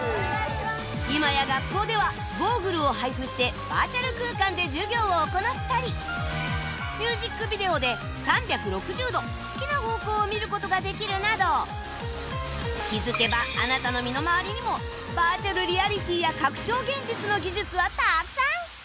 今や学校ではゴーグルを配布してバーチャル空間で授業を行ったりミュージックビデオで３６０度好きな方向を見る事ができるなど気づけばあなたの身の回りにもバーチャルリアリティーや拡張現実の技術はたくさん！